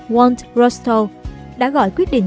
walt rostow đã gọi quyết định